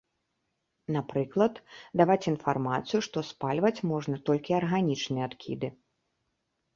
Напрыклад, даваць інфармацыю, што спальваць можна толькі арганічныя адкіды.